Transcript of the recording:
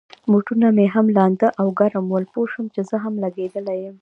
بوټونه مې هم لانده او ګرم ول، پوه شوم چي زه هم لګېدلی یم.